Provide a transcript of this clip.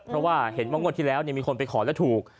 เพราะว่าเห็นว่างวดที่แล้วมีคนไปขอแล้วถูก